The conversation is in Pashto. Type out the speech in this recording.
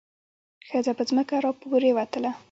ښځه په ځمکه را پریوتله.